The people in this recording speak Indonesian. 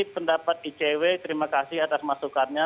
pendapat icw terima kasih atas masukannya